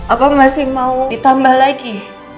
apa masih mau ditambah lagi